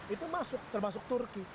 itu termasuk turki